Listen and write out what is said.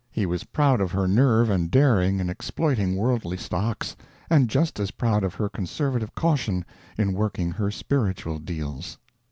He was proud of her nerve and daring in exploiting worldly stocks, and just as proud of her conservative caution in working her spiritual deals.